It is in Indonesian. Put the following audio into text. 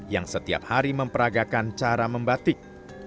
yang setiap hari memperagakan cara membatik